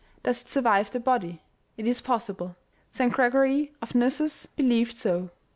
Does it survive the body ? It is possible. St. Gregory of Nyssus believed so.